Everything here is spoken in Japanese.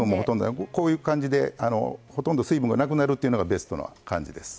こういう感じでほとんど水分がなくなるというのがベストな感じです。